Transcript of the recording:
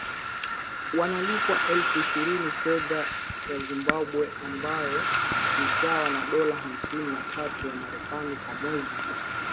wanalipwa elfu ishirini fedha ya Zimbabwe ambayo ni sawa na dola hamsini na tatu ya Marekani kwa mwezi